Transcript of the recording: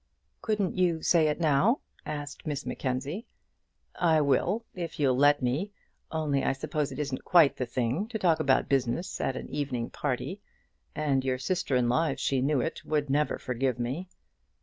"Couldn't you say it now?" asked Miss Mackenzie. "I will, if you'll let me; only I suppose it isn't quite the thing to talk about business at an evening party; and your sister in law, if she knew it, would never forgive me."